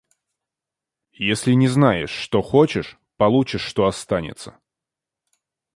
Если не знаешь, что хочешь, получишь, что останется.